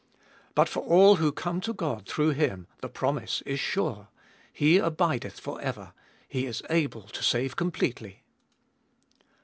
But for all who come to God through Him the promise is sure : He abideth for ever ; He is able to save completely.